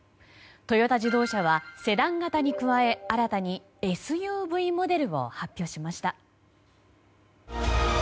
トヨタ自動車はセダン型に加え新たにＳＵＶモデルを発表しました。